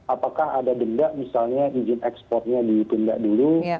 apakah ada denda misalnya izin ekspornya ditunda dulu